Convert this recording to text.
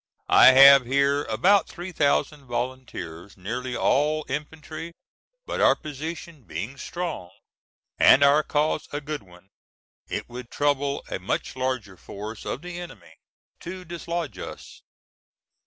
I have here about 3000 volunteers nearly all infantry, but our position being strong, and our cause a good one, it would trouble a much larger force of the enemy to dislodge us.